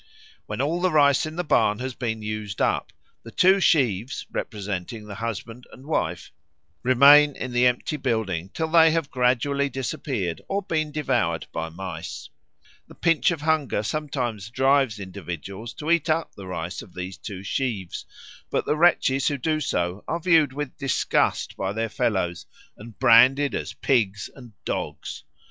When all the rice in the barn has been used up, the two sheaves representing the husband and wife remain in the empty building till they have gradually disappeared or been devoured by mice. The pinch of hunger sometimes drives individuals to eat up the rice of these two sheaves, but the wretches who do so are viewed with disgust by their fellows and branded as pigs and dogs.